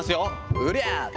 うりゃー。